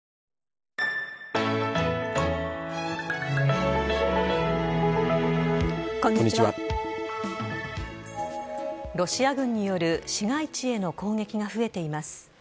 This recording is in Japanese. ロシア軍による市街地への攻撃が増えています。